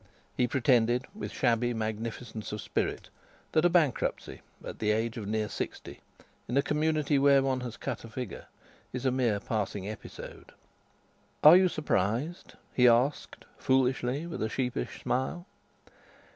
He pretended, with shabby magnificence of spirit, that a bankruptcy at the age of near sixty, in a community where one has cut a figure, is a mere passing episode. "Are you surprised?" he asked foolishly, with a sheepish smile.